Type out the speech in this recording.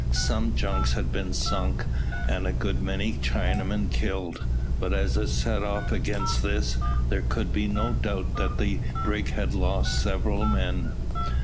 Some junks had been sunk, and a good many Chinamen killed; but as a set off against this, there could be no doubt that the brig had lost several men.